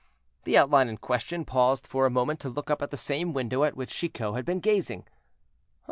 The outline in question paused for a moment to look up at the same window at which Chicot had been gazing.